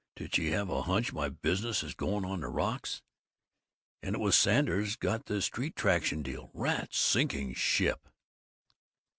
"Did she have a hunch my business is going on the rocks? And it was Sanders got the Street Traction deal. Rats sinking ship!"